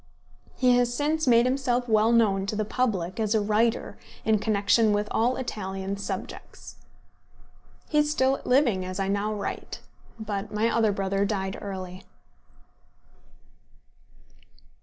He has since made himself well known to the public as a writer in connection with all Italian subjects. He is still living as I now write. But my other brother died early.